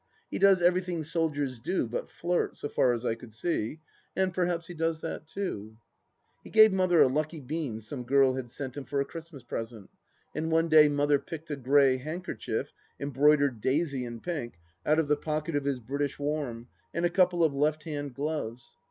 He does everything soldiers do but flirt, so far as I could see, and perhaps he does that too ? He gave Mother a lucky bean some girl had sent him for a Christmas present, and one day Mother picked a grey handkerchief, embroidered " Daisy " in pink, out of the pocket of his British warm, and a couple of left hand gloves.